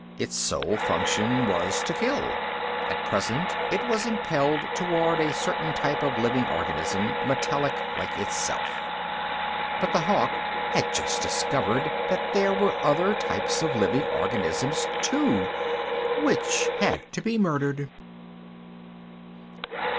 Its sole function was to kill. At present it was impelled toward a certain type of living organism, metallic like itself. But the Hawk had just discovered that there were other types of living organisms, too Which had to be murdered.